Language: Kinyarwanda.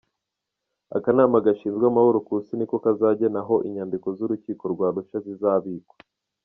Akanama gashinzwe amahoro ku Isi niko kazagena aho inyandiko z’Urukiko rw’Arusha zizabikwa